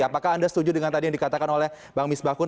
apakah anda setuju dengan tadi yang dikatakan oleh bang misbahkun